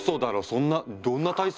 そんなどんな体勢？